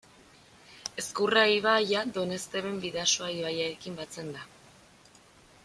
Ezkurra ibaia Donezteben Bidasoa ibaiarekin batzen da.